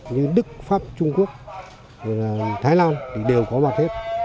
như đức pháp trung quốc thái lan thì đều có mặt hết